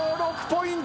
６ポイント。